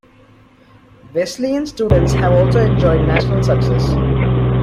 Wesleyan students have also enjoyed national success.